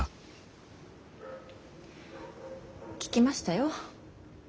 聞きましたよ。